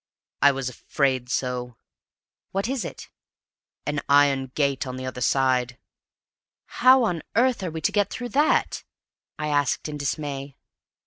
"I was afraid so!" "What is it?" "An iron gate on the other side!" "How on earth are we to get through that?" I asked in dismay.